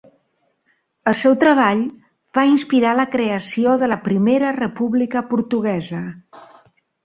El seu treball va inspirar la creació de la Primera República Portuguesa.